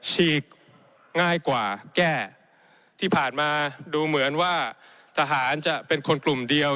ฉีกง่ายกว่าแก้ที่ผ่านมาดูเหมือนว่าทหารจะเป็นคนกลุ่มเดียว